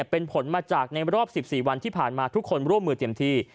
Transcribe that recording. เป็นผลมาจากในรอบ๑๔วันที่ผ่านมาทุกคนร่วมมือเต็มที่